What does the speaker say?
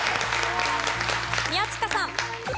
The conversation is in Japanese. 宮近さん。